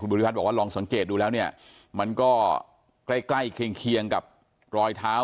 ริพัฒน์บอกว่าลองสังเกตดูแล้วเนี่ยมันก็ใกล้ใกล้เคียงกับรอยเท้า